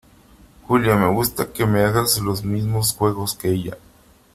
Julia , me gusta que me hagas los mismos juegos que ella .